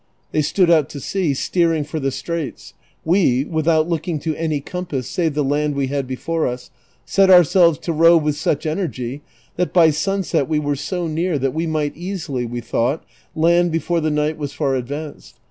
They stood out to sea, steering for the straits ; we, without looking to any comjjass save the land we had before us, set our selves to row with such energy that by sunset we were so near that we might easily, we thought, land before the night was far ad vanced.